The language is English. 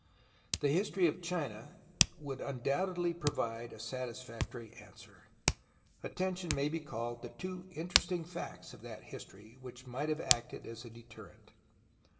The history of China would undoubtedly provide a satisfactory answer. Atten tion may be called to two interesting facts of that history which might have acted as a deterrent.